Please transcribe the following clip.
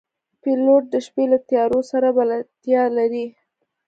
پیلوټ د شپې له تیارو سره بلدتیا لري.